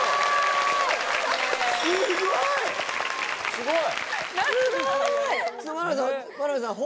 すごい！